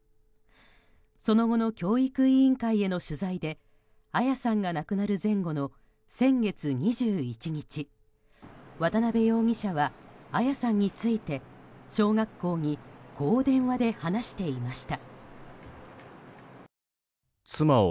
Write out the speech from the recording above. その後の教育委員会への取材で彩さんが亡くなる前後の先月２１日渡邉容疑者は彩さんについて小学校にこう電話で話していました。